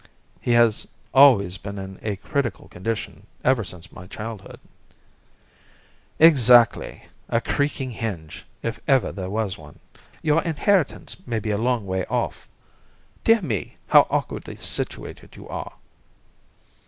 "He has always been in a critical condition ever since my childhood." "Exactly a creaking hinge, if ever there was one. Your inheritance may be a long way off. Dear me, how awkwardly situated you are!"